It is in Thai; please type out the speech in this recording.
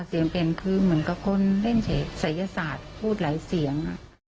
เสียงเปลี่ยนคือเหมือนกับคนเล่นศัยศาสตร์พูดหลายเสียง